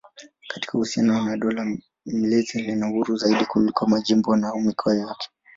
Katika uhusiano na dola mlezi lina uhuru zaidi kuliko majimbo au mikoa yake.